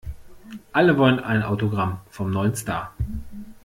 Alle wollen ein Autogramm vom neuen Star.